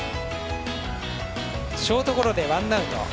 ショートゴロでワンアウト。